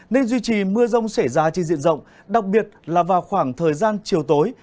nên duy trì mưa rông xảy ra trên diện rộng đặc biệt là vào khoảng thời gian chiều tối